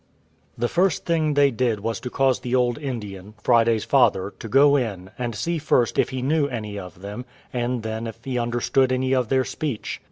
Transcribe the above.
The first thing they did was to cause the old Indian, Friday's father, to go in, and see first if he knew any of them, and then if he understood any of their speech.